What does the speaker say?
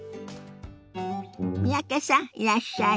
三宅さんいらっしゃい。